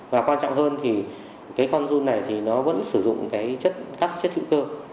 và quan trọng hơn thì cái con run này thì nó vẫn sử dụng cái các chất hữu cơ